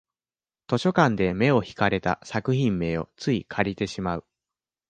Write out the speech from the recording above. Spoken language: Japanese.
図書館で目を引かれた作品名をつい借りてしまう